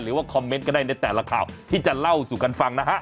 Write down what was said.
หรือว่าคอมเมนต์ก็ได้ในแต่ละข่าวที่จะเล่าสู่กันฟังนะฮะ